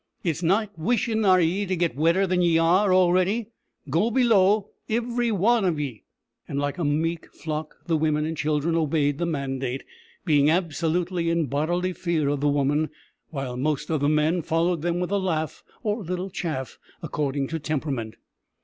"It's not wishin', are ye, to get wetter than ye are, a'ready? Go below, ivery wan of ye." Like a meek flock, the women and children obeyed the mandate, being absolutely in bodily fear of the woman, while most of the men followed them with a laugh, or a little chaff, according to temperament.